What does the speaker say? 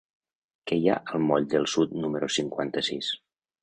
Què hi ha al moll del Sud número cinquanta-sis?